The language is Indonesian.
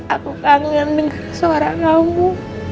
aku kangen dengan suara kamu